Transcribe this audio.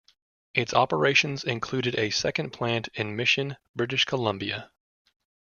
Its operations included a second plant in Mission, British Columbia.